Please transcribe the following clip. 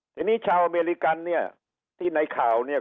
ทีนี้ชาวอเมริกันเนี่ยที่ในข่าวเนี่ย